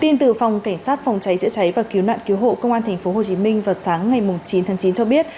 tin từ phòng cảnh sát phòng cháy chữa cháy và cứu nạn cứu hộ công an tp hcm vào sáng ngày chín tháng chín cho biết